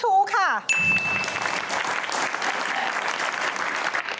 ถูกไหม